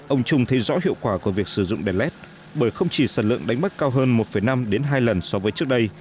ông trung thấy rõ hiệu quả của việc sử dụng đèn led bởi không chỉ sản lượng đánh bắt cao hơn một năm hai lần so với trước đây